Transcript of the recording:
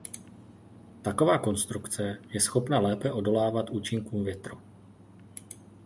Taková konstrukce je schopna lépe odolávat účinkům větru.